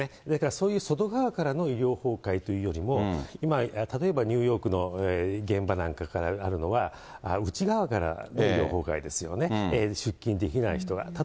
だからそういう外側からの医療崩壊というよりも、今、例えばニューヨークの現場なんかからあるのは、内側から医療崩壊ですよね、今、出勤できない人が。